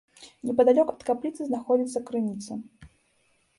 Непадалёк ад капліцы знаходзіцца крыніца.